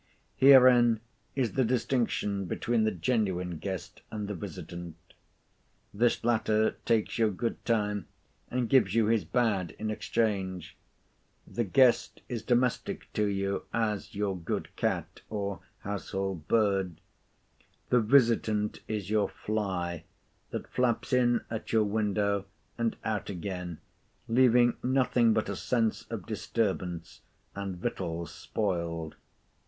Herein is the distinction between the genuine guest and the visitant. This latter takes your good time, and gives you his bad in exchange. The guest is domestic to you as your good cat, or household bird; the visitant is your fly, that flaps in at your window, and out again, leaving nothing but a sense of disturbance, and victuals spoiled.